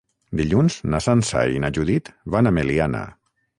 Dilluns na Sança i na Judit van a Meliana.